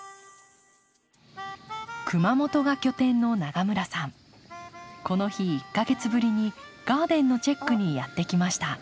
熊本が拠点の永村さんこの日１か月ぶりにガーデンのチェックにやって来ました。